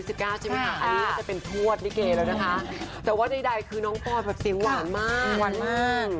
แต่ว่าใดคือน้องป่อยแบบเสียงหวานมากหวานมาก